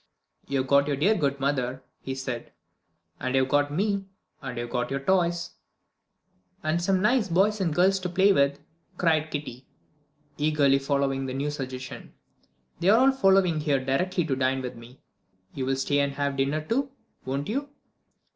"You have got your dear good mother," he said, "and you have got me, and you have got your toys " "And some nice boys and girls to play with," cried Kitty, eagerly following the new suggestion. "They are all coming here directly to dine with me. You will stay and have dinner too, won't you?"